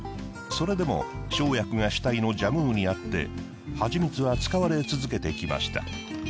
それでも生薬が主体のジャムウにあって蜂蜜は使われ続けてきました。